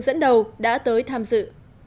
dẫn đầu đã tới tham dự